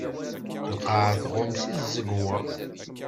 Lqaεa tɣumm s tẓegwa.